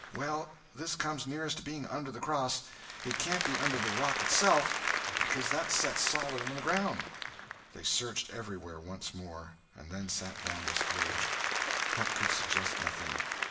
Well, this comes nearest to being under the cross. It can't be under the rock itself, because that sets solid on the ground." They searched everywhere once more, and then sat down discouraged. Huck could suggest nothing.